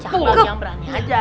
jangan yang berani aja